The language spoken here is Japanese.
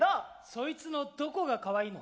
そいつのどこがかわいいの？